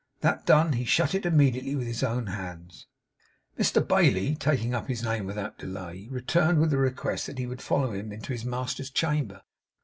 That done, he shut it immediately with his own hands. Mr Bailey, taking up his name without delay, returned with a request that he would follow him into his master's chamber.